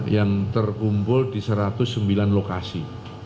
yang terkumpul di satu ratus sembilan lokasi